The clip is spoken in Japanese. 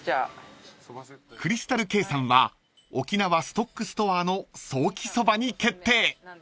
［クリスタルケイさんは沖縄ストックストアのソーキそばに決定］